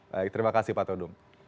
baik terima kasih pak todung